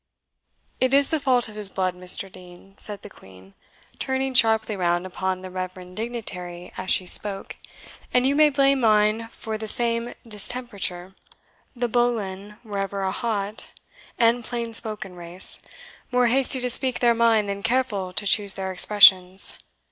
"It is the fault of his blood, Mr. Dean," said the Queen, turning sharply round upon the reverend dignitary as she spoke; "and you may blame mine for the same distemperature. The Boleyns were ever a hot and plain spoken race, more hasty to speak their mind than careful to choose their expressions.